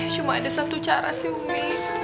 cuma ada satu cara sih umi